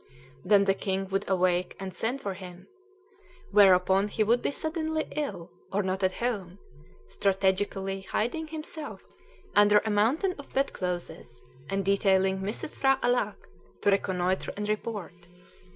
Then the king would awake and send for him, whereupon he would be suddenly ill, or not at home, strategically hiding himself under a mountain of bedclothes, and detailing Mrs. P'hra Alâck to reconnoitre and report.